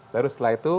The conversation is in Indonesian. baru setelah itu